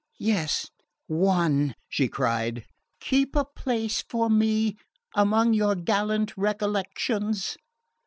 "Yes one," she cried; "keep a place for me among your gallant recollections."